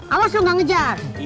awas lo gak ngejar